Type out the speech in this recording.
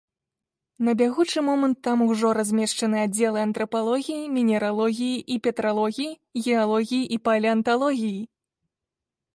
На бягучы момант там ужо размешчаны аддзелы антрапалогіі, мінералогіі і петралогіі, геалогіі і палеанталогіі.